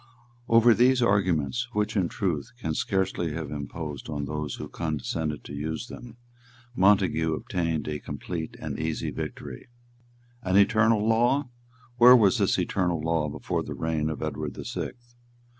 Over these arguments, which in truth can scarcely have imposed on those who condescended to use them, Montague obtained a complete and easy victory. "An eternal law! Where was this eternal law before the reign of Edward the Sixth?